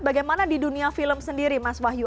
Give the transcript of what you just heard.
bagaimana di dunia film sendiri mas wahyu